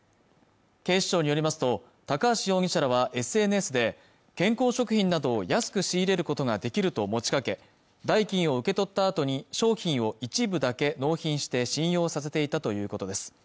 警視庁によりますと高橋容疑者らはＳＮＳで健康食品などを安く仕入れることができると持ちかけ代金を受け取ったあとに商品を一部だけ納品して信用させていたということです